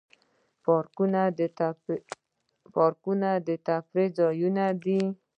پارکونه د تفریح ځایونه دي